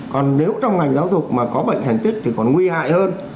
còn nếu trong ngành giáo dục mà có bệnh thành tích thì còn nguy hại hơn